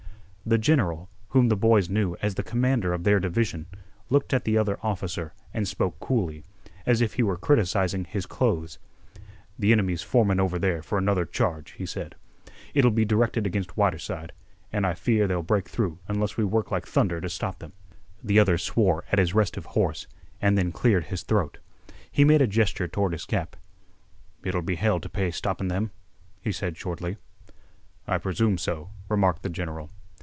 The general, whom the boys knew as the commander of their division, looked at the other officer and spoke coolly, as if he were criticising his clothes. "Th' enemy's formin' over there for another charge," he said. "It'll be directed against Whiterside, an' I fear they'll break through unless we work like thunder t' stop them." The other swore at his restive horse, and then cleared his throat. He made a gesture toward his cap. "It'll be hell t' pay stoppin' them," he said shortly. "I presume so," remarked the general.